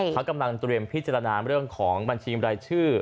เขากำลังเตรียมพิจารณาเรื่องของบัญชีรายชื่อ